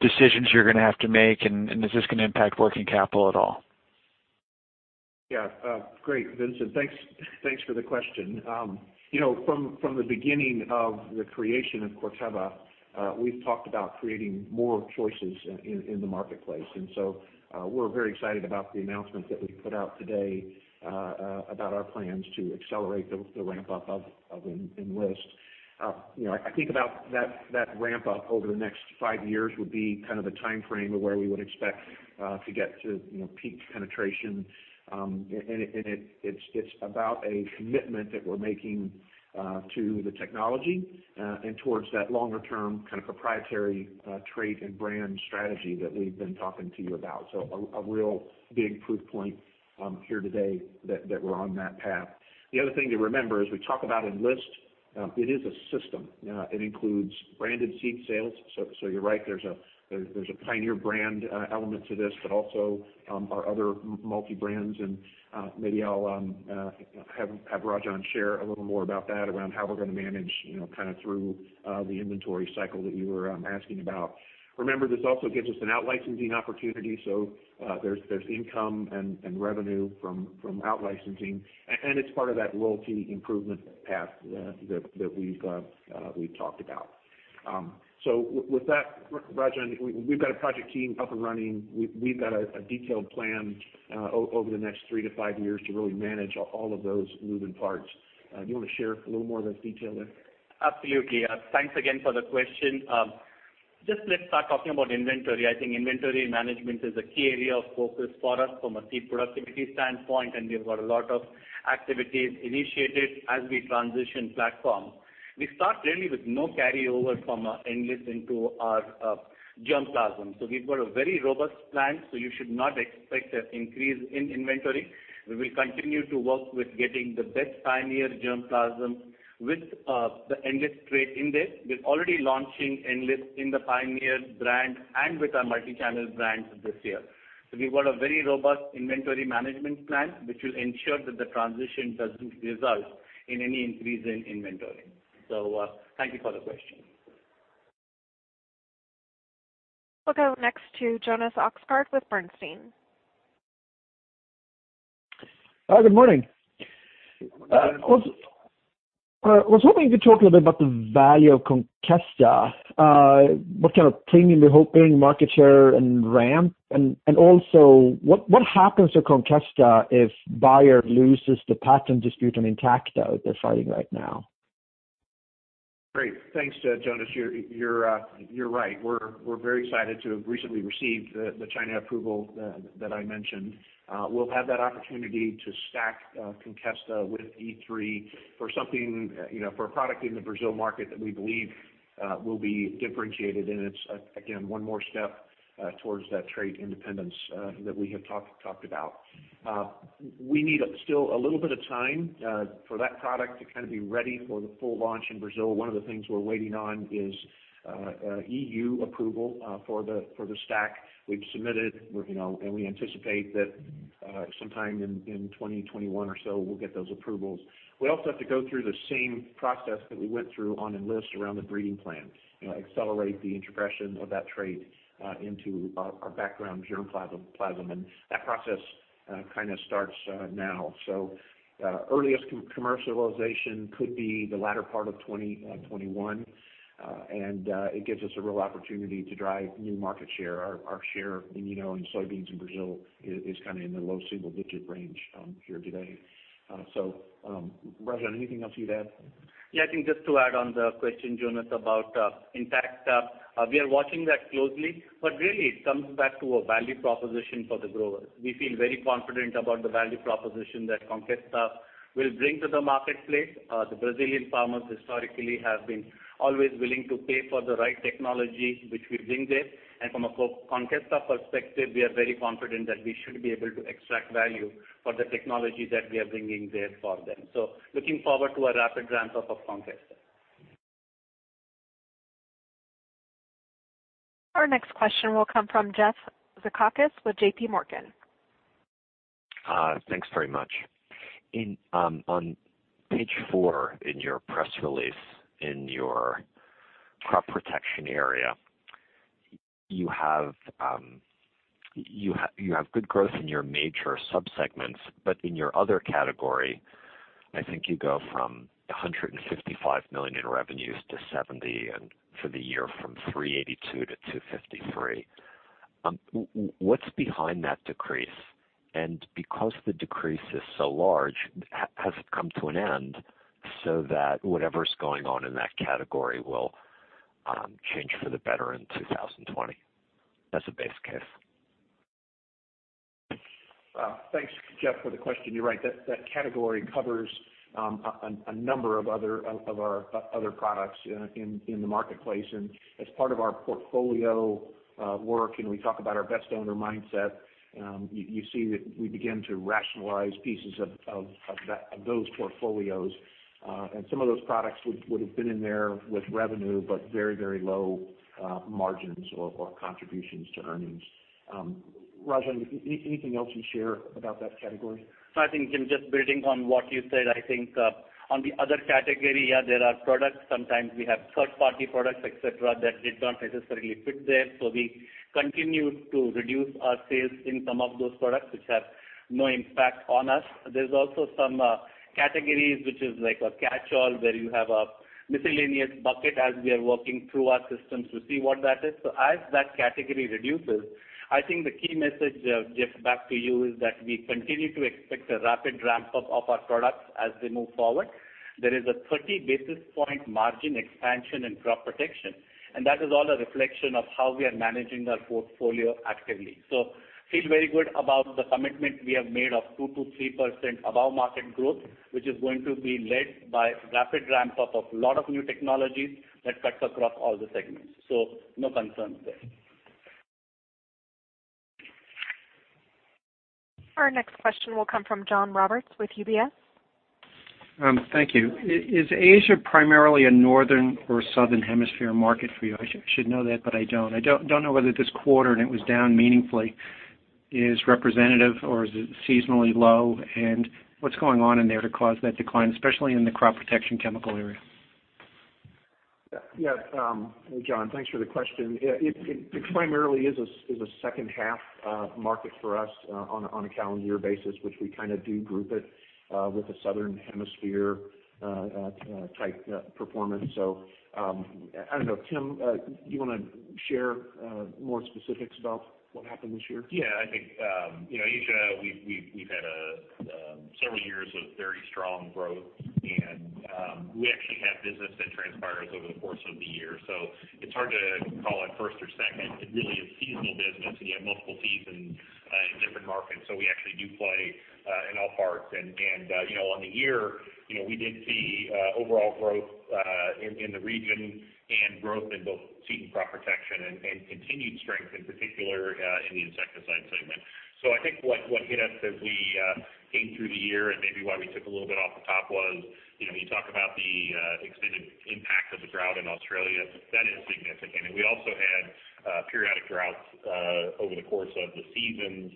decisions you're going to have to make, and is this going to impact working capital at all? Yeah. Great, Vincent. Thanks for the question. From the beginning of the creation of Corteva, we've talked about creating more choices in the marketplace. We're very excited about the announcement that we put out today about our plans to accelerate the ramp-up of Enlist. I think about that ramp-up over the next five years would be kind of the timeframe of where we would expect to get to peak penetration. It's about a commitment that we're making to the technology and towards that longer-term kind of proprietary trait and brand strategy that we've been talking to you about. A real big proof point here today that we're on that path. The other thing to remember as we talk about Enlist, it is a system. It includes branded seed sales. You're right, there's a Pioneer brand element to this, but also our other multi-brands, and maybe I'll have Rajan share a little more about that, around how we're going to manage through the inventory cycle that you were asking about. Remember, this also gives us an out-licensing opportunity, so there's income and revenue from out-licensing. It's part of that royalty improvement path that we've talked about. With that, Rajan, we've got a project team up and running. We've got a detailed plan over the next three to five years to really manage all of those moving parts. Do you want to share a little more of those details there? Absolutely. Thanks again for the question. Just let's start talking about inventory. I think inventory management is a key area of focus for us from a seed productivity standpoint, and we have got a lot of activities initiated as we transition platforms. We start really with no carryover from Enlist into our germplasm. We've got a very robust plan, so you should not expect an increase in inventory. We will continue to work with getting the best Pioneer germplasm with the Enlist trait in there. We're already launching Enlist in the Pioneer brand and with our multi-channel brands this year. We've got a very robust inventory management plan, which will ensure that the transition doesn't result in any increase in inventory. Thank you for the question. We'll go next to Jonas Oxgaard with Bernstein. Hi, good morning. I was hoping you could talk a little bit about the value of Conkesta. What kind of premium you're hoping, market share, and ramp? Also what happens to Conkesta if Bayer loses the patent dispute on Intacta that they're fighting right now? Great. Thanks, Jonas. You're right. We're very excited to have recently received the China approval that I mentioned. We'll have that opportunity to stack Conkesta with E3 for a product in the Brazil market that we believe will be differentiated, and it's again, one more step towards that trait independence that we have talked about. We need still a little bit of time for that product to kind of be ready for the full launch in Brazil. One of the things we're waiting on is EU approval for the stack we've submitted, and we anticipate that sometime in 2021 or so we'll get those approvals. We also have to go through the same process that we went through on Enlist around the breeding plan. Accelerate the introgression of that trait into our background germplasm. That process kind of starts now. Earliest commercialization could be the latter part of 2021. It gives us a real opportunity to drive new market share. Our share in soybeans in Brazil is kind of in the low single-digit range here today. Rajan, anything else you'd add? Yeah, I think just to add on the question, Jonas, about Intacta. We are watching that closely, but really it comes back to a value proposition for the growers. We feel very confident about the value proposition that Conkesta will bring to the marketplace. The Brazilian farmers historically have been always willing to pay for the right technology, which we bring there. From a Conkesta perspective, we are very confident that we should be able to extract value for the technology that we are bringing there for them. Looking forward to a rapid ramp-up of Conkesta. Our next question will come from Jeff Zekauskas with JPMorgan. Thanks very much. On page four in your press release, in your crop protection area, you have good growth in your major subsegments, but in your other category, I think you go from $155 million in revenues to $70, and for the year from $382 to $253. What's behind that decrease? Because the decrease is so large, has it come to an end so that whatever's going on in that category will change for the better in 2020 as a base case? Thanks, Jeff, for the question. You're right, that category covers a number of our other products in the marketplace. As part of our portfolio work, and we talk about our best owner mindset, you see that we begin to rationalize pieces of those portfolios. Some of those products would have been in there with revenue, but very low margins or contributions to earnings. Rajan, anything else you'd share about that category? I think, Jim, just building on what you said, I think on the other category, there are products, sometimes we have third-party products, et cetera, that did not necessarily fit there. We continued to reduce our sales in some of those products, which have no impact on us. There's also some categories, which is like a catchall, where you have a miscellaneous bucket as we are working through our systems to see what that is. As that category reduces, I think the key message, Jeff, back to you is that we continue to expect a rapid ramp-up of our products as we move forward. There is a 30 basis point margin expansion in crop protection, and that is all a reflection of how we are managing our portfolio actively. Feel very good about the commitment we have made of 2%-3% above-market growth, which is going to be led by rapid ramp-up of lot of new technologies that cuts across all the segments. No concerns there. Our next question will come from John Roberts with UBS. Thank you. Is Asia primarily a northern or southern hemisphere market for you? I should know that, but I don't. I don't know whether this quarter, and it was down meaningfully, is representative, or is it seasonally low? What's going on in there to cause that decline, especially in the crop protection chemical area? Yeah. John, thanks for the question. It primarily is a second half market for us on a calendar year basis, which we kind of do group it with a southern hemisphere-type performance. I don't know, Tim, you want to share more specifics about what happened this year? Yeah, I think Asia, we've had several years of very strong growth. We actually have business that transpires over the course of the year. It's hard to call it first or second. It really is seasonal business and you have multiple seasons in different markets. We actually do play in all parts. On the year, we did see overall growth in the region and growth in both seed and crop protection and continued strength, in particular, in the insecticide segment. I think what hit us as we came through the year and maybe why we took a little bit off the top was, you talk about the extended impact of the drought in Australia. That is significant. We also had periodic droughts over the course of the season,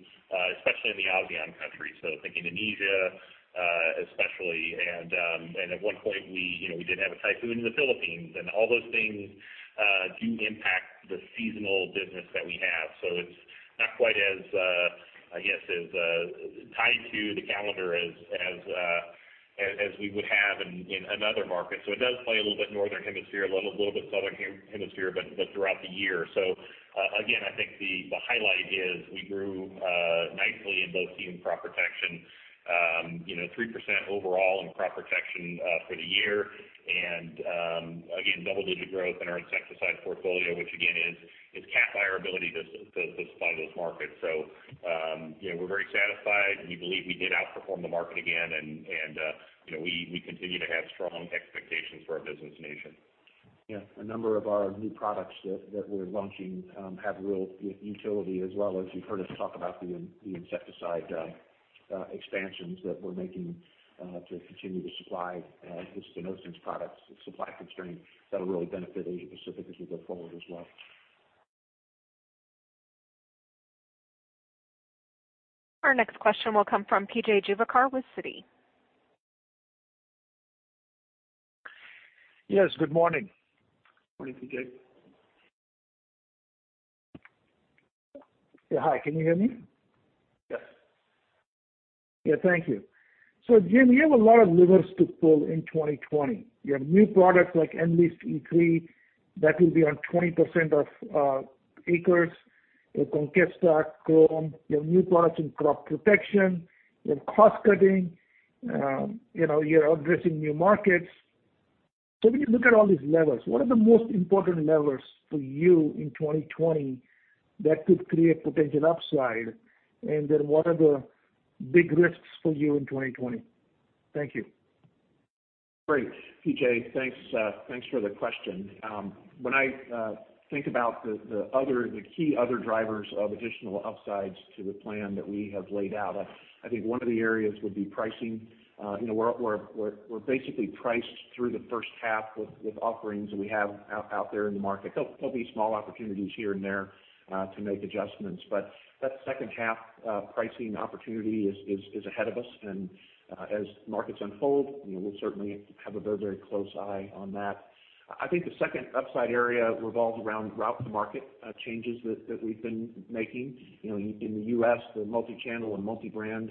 especially in the ASEAN countries. Think Indonesia especially at one point, we did have a typhoon in the Philippines. All those things do impact the seasonal business that we have. It's not quite as tied to the calendar as we would have in another market. It does play a little bit northern hemisphere, a little bit southern hemisphere, but throughout the year. Again, I think the highlight is we grew nicely in both seed and crop protection. 3% overall in crop protection for the year. Again, double-digit growth in our insecticide portfolio, which again, is capped by our ability to supply those markets. We're very satisfied. We believe we did outperform the market again, and we continue to have strong expectations for our business in Asia. Yeah. A number of our new products that we're launching have real utility as well, as you've heard us talk about the insecticide expansions that we're making to continue to supply this spinosyn products supply constraint that'll really benefit Asia Pacific as we go forward as well. Our next question will come from PJ Juvekar with Citi. Yes, good morning. Morning, PJ. Yeah, hi. Can you hear me? Yes. Yeah, thank you. Jim, you have a lot of levers to pull in 2020. You have new products like Enlist E3 that will be on 20% of acres. You have Conkesta, Qrome. You have new products in crop protection. You have cost-cutting. You're addressing new markets. When you look at all these levers, what are the most important levers for you in 2020 that could create potential upside? What are the big risks for you in 2020? Thank you. Great, PJ. Thanks for the question. When I think about the key other drivers of additional upsides to the plan that we have laid out, I think one of the areas would be pricing. We're basically priced through the first half with offerings that we have out there in the market. There'll be small opportunities here and there to make adjustments. That second half pricing opportunity is ahead of us. As markets unfold, we'll certainly have a very close eye on that. I think the second upside area revolves around route-to-market changes that we've been making. In the U.S., the multi-channel and multi-brand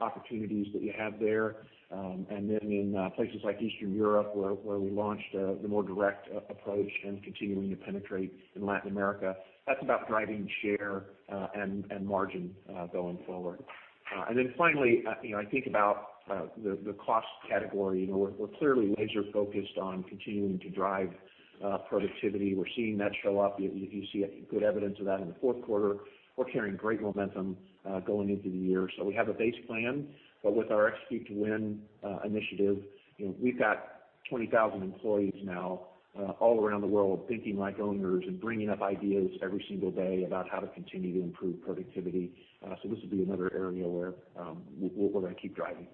opportunities that you have there. Then in places like Eastern Europe, where we launched the more direct approach and continuing to penetrate in Latin America. That's about driving share and margin going forward. Then finally, I think about the cost category. We're clearly laser-focused on continuing to drive productivity. We're seeing that show up. You see good evidence of that in the fourth quarter. We're carrying great momentum going into the year. We have a base plan. With our Execute to Win initiative, we've got 20,000 employees now all around the world thinking like owners and bringing up ideas every single day about how to continue to improve productivity. This will be another area where we're going to keep driving.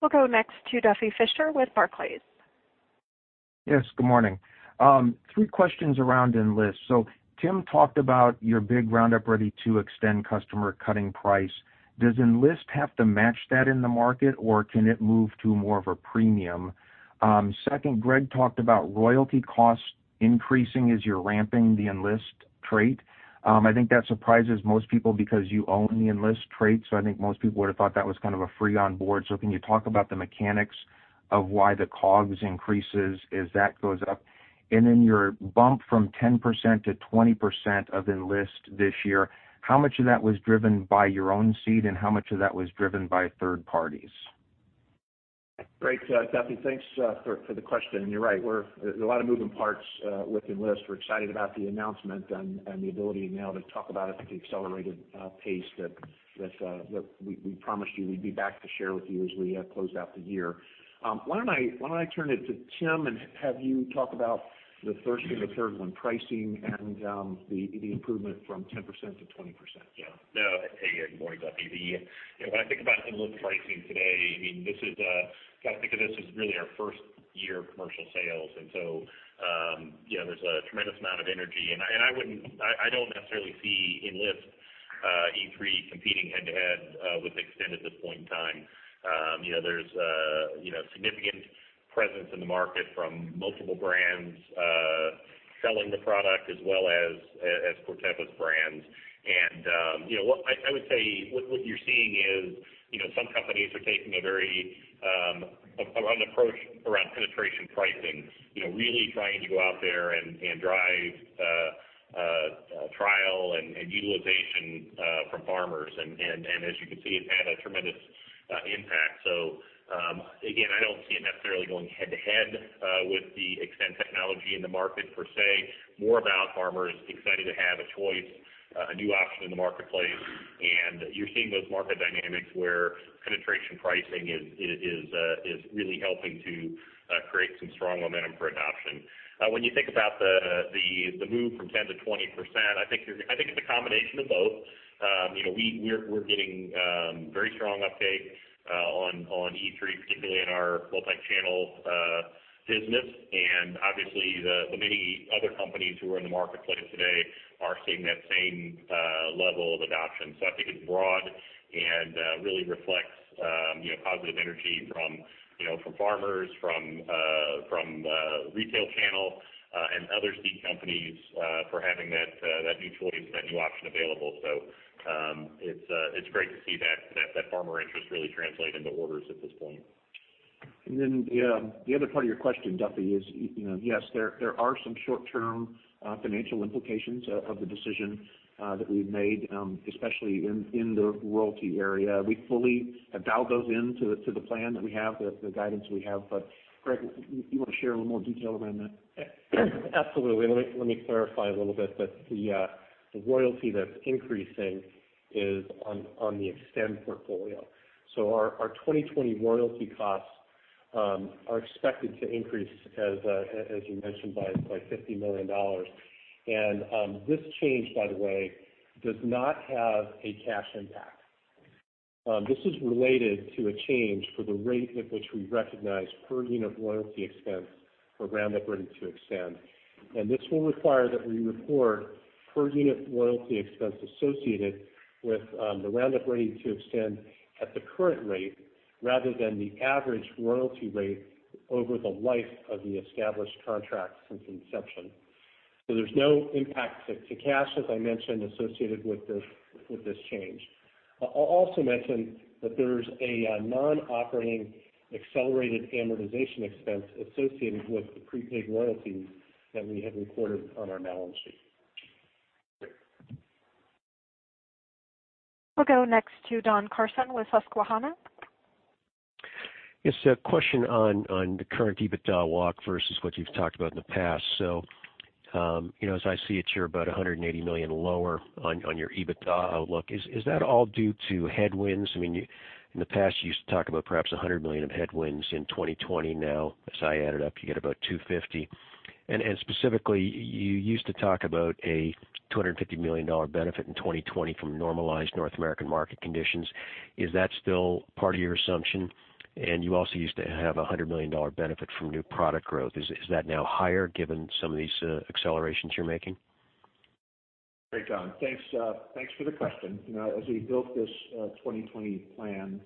We'll go next to Duffy Fischer with Barclays. Yes, good morning. Three questions around Enlist. Tim talked about your big Roundup Ready 2 Xtend customer cutting price. Does Enlist have to match that in the market, or can it move to more of a premium? Second, Greg talked about royalty costs increasing as you're ramping the Enlist trait. I think that surprises most people because you own the Enlist trait. I think most people would have thought that was kind of a free onboard. Can you talk about the mechanics of why the COGS increases as that goes up? Then your bump from 10% to 20% of Enlist this year, how much of that was driven by your own seed, and how much of that was driven by third parties? Great, Duffy. Thanks for the question. You're right. There's a lot of moving parts with Enlist. We're excited about the announcement and the ability now to talk about, I think, the accelerated pace that we promised you we'd be back to share with you as we closed out the year. Why don't I turn it to Tim and have you talk about the first and the third one, pricing and the improvement from 10%-20%? Good morning, Duffy. When I think about Enlist pricing today, I think of this as really our first year of commercial sales. There's a tremendous amount of energy. I don't necessarily see Enlist E3 competing head-to-head with Xtend at this point in time. There's significant presence in the market from multiple brands selling the product as well as Corteva's brands. I would say what you're seeing is some companies are taking an approach around penetration pricing, really trying to go out there and drive trial and utilization from farmers. As you can see, it's had a tremendous impact. Again, I don't see it necessarily going head-to-head with the Xtend technology in the market per se, more about farmers excited to have a choice, a new option in the marketplace. You're seeing those market dynamics where penetration pricing is really helping to create some strong momentum for adoption. When you think about the move from 10% to 20%, I think it's a combination of both. We're getting very strong uptake on E3, particularly in our multichannel business. Obviously, the many other companies who are in the marketplace today are seeing that same level of adoption. I think it's broad and really reflects positive energy from farmers, from retail channel, and other seed companies for having that new choice, that new option available. It's great to see that farmer interest really translate into orders at this point. The other part of your question, Duffy, is yes, there are some short-term financial implications of the decision that we've made, especially in the royalty area. We fully have dialed those into the plan that we have, the guidance we have. Greg, you want to share a little more detail around that? Absolutely. Let me clarify a little bit, but the royalty that's increasing is on the Xtend portfolio. Our 2020 royalty costs are expected to increase, as you mentioned, by $50 million. This change, by the way, does not have a cash impact. This is related to a change for the rate at which we recognize per-unit royalty expense for Roundup Ready 2 Xtend. This will require that we report per-unit royalty expense associated with the Roundup Ready 2 Xtend at the current rate rather than the average royalty rate over the life of the established contract since inception. There's no impact to cash, as I mentioned, associated with this change. I'll also mention that there's a non-operating accelerated amortization expense associated with the prepaid royalties that we have recorded on our balance sheet. Great. We'll go next to Don Carson with Susquehanna. Yes, a question on the current EBITDA walk versus what you've talked about in the past. As I see it, you're about $180 million lower on your EBITDA outlook. Is that all due to headwinds? In the past, you used to talk about perhaps $100 million of headwinds in 2020. Now, as I added up, you get about $250 million. Specifically, you used to talk about a $250 million benefit in 2020 from normalized North American market conditions. Is that still part of your assumption? You also used to have a $100 million benefit from new product growth. Is that now higher given some of these accelerations you're making? Great, Don. Thanks for the question. As we built this 2020 plan,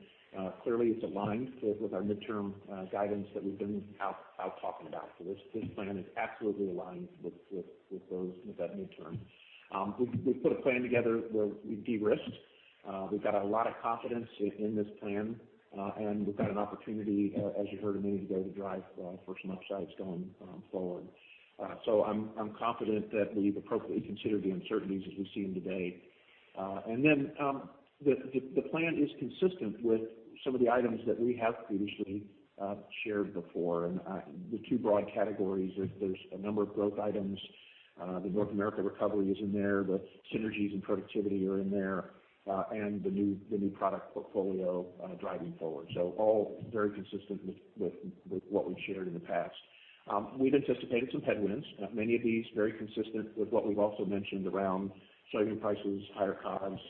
clearly it's aligned with our midterm guidance that we've been out talking about. This plan is absolutely aligned with that midterm. We put a plan together where we de-risked. We've got a lot of confidence in this plan. We've got an opportunity, as you heard me today, to drive personal upsides going forward. I'm confident that we've appropriately considered the uncertainties as we see them today. The plan is consistent with some of the items that we have previously shared before. The two broad categories, there's a number of growth items. The North America recovery is in there, the synergies and productivity are in there, and the new product portfolio driving forward. All very consistent with what we've shared in the past. We've anticipated some headwinds, many of these very consistent with what we've also mentioned around soybean prices, higher COGS,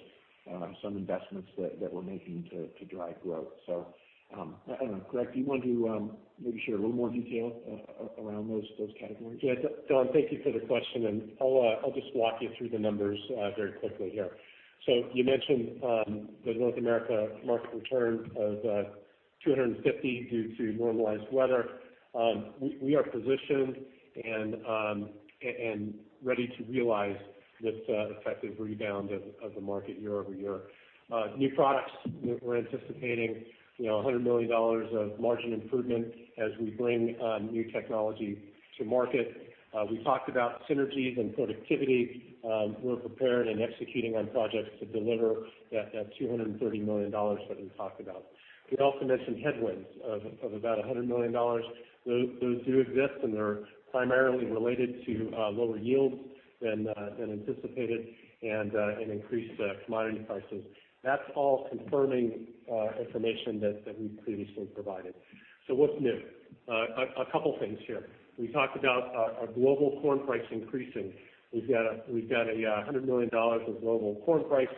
some investments that we're making to drive growth. I don't know, Greg, do you want to maybe share a little more detail around those categories? Yeah, Don, thank you for the question, and I'll just walk you through the numbers very quickly here. You mentioned the North America market return of $250 million due to normalized weather. We are positioned and ready to realize this effective rebound of the market year-over-year. New products, we're anticipating $100 million of margin improvement as we bring new technology to market. We talked about synergies and productivity. We're prepared and executing on projects to deliver that $230 million that we talked about. We also mentioned headwinds of about $100 million. Those do exist, and they're primarily related to lower yields than anticipated and increased commodity prices. That's all confirming information that we've previously provided. What's new? A couple things here. We talked about our global corn price increasing. We've got $100 million of global corn price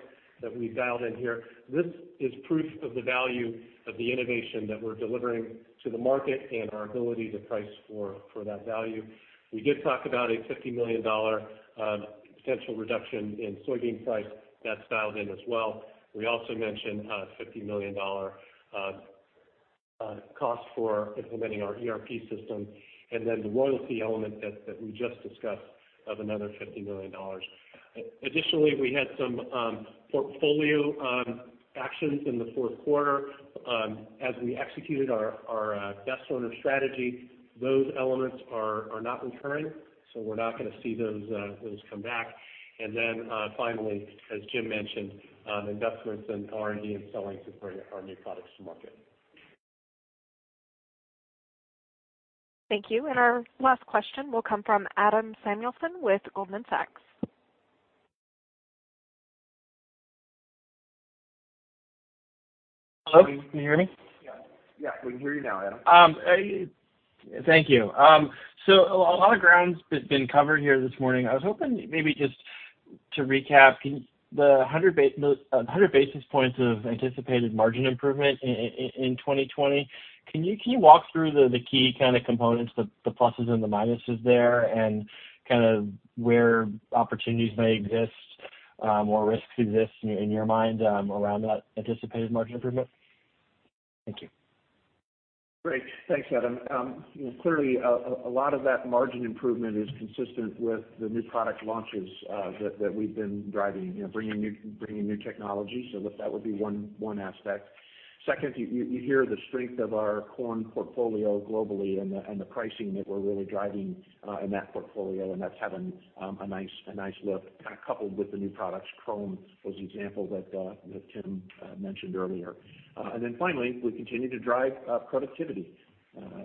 that we've dialed in here. This is proof of the value of the innovation that we're delivering to the market and our ability to price for that value. We did talk about a $50 million potential reduction in soybean price. That's dialed in as well. We also mentioned a $50 million cost for implementing our ERP system, and then the royalty element that we just discussed of another $50 million. Additionally, we had some portfolio actions in the fourth quarter. As we executed our best owner strategy, those elements are not recurring, so we're not going to see those come back. Finally, as Jim mentioned, investments in R&D and selling to bring our new products to market. Thank you. Our last question will come from Adam Samuelson with Goldman Sachs. Hello, can you hear me? Yeah, we can hear you now, Adam. Thank you. A lot of ground's been covered here this morning. I was hoping maybe just to recap. The 100 basis points of anticipated margin improvement in 2020, can you walk through the key kind of components, the pluses and the minuses there, and kind of where opportunities may exist or risks exist in your mind around that anticipated margin improvement? Thank you. Great. Thanks, Adam. Clearly, a lot of that margin improvement is consistent with the new product launches that we've been driving, bringing new technology. That would be one aspect. Second, you hear the strength of our corn portfolio globally and the pricing that we're really driving in that portfolio, and that's having a nice look, kind of coupled with the new products, Qrome, those examples that Tim mentioned earlier. Finally, we continue to drive productivity.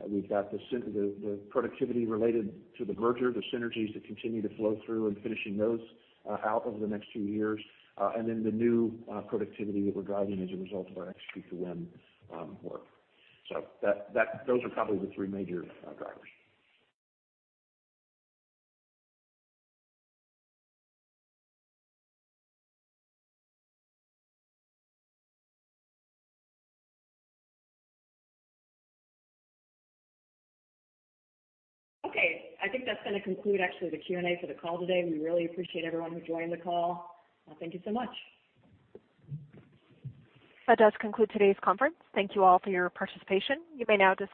We've got the productivity related to the merger, the synergies that continue to flow through and finishing those out over the next few years. The new productivity that we're driving as a result of our [inaudible] work. Those are probably the three major drivers. Okay. I think that's going to conclude actually the Q&A for the call today. We really appreciate everyone who joined the call. Thank you so much. That does conclude today's conference. Thank you all for your participation. You may now dis-